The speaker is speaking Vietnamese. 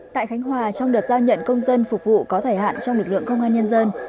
tại khánh hòa trong đợt giao nhận công dân phục vụ có thời hạn trong lực lượng công an nhân dân